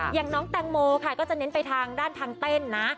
อย่างน้องแตงโมค่ะก็จะเน้นไปทางด้านทางเต้นนะ